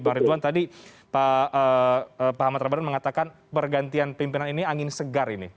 bang ridwan tadi pak ahmad ramadan mengatakan pergantian pimpinan ini angin segar ini